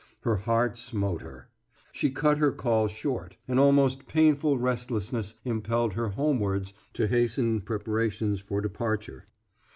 Her heart smote her. She cut her call short; an almost painful restlessness impelled her homewards to hasten the preparations for departure.